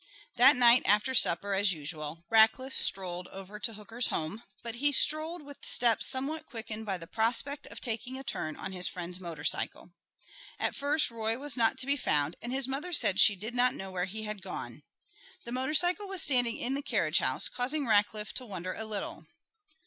That night after supper, as usual, Rackliff strolled over to Hooker's home, but he strolled with steps somewhat quickened by the prospect of taking a turn on his friend's motorcycle. At first Roy was not to be found, and his mother said she did not know where he had gone. The motorcycle was standing in the carriage house, causing Rackliff to wonder a little.